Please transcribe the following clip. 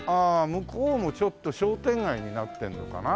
向こうもちょっと商店街になってるのかな？